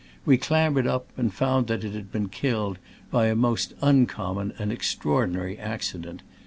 We clambered up, and found that it had been killed by a most uncommon and extraordinary accident.